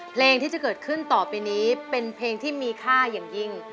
เพลงที่จะเกิดขึ้นต่อไปนี้เป็นเพลงที่มีค่าอย่างยิ่ง